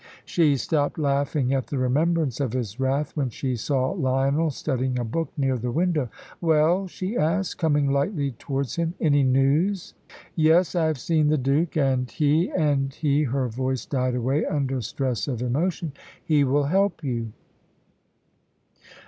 She stopped laughing at the remembrance of his wrath when she saw Lionel studying a book near the window. "Well?" she asked, coming lightly towards him: "any news?" "Yes; I have seen the Duke!" "And he and he " her voice died away under stress of emotion. "He will help you!"